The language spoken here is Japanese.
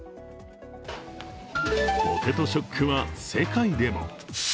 ポテトショックは世界でも。